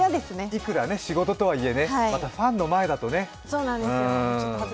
いくら仕事とはいえね、またファンの前ではね。